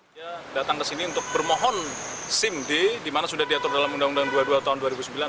dia datang ke sini untuk bermohon sim d dimana sudah diatur dalam undang undang dua puluh dua tahun dua ribu sembilan